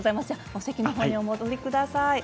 お席にお戻りください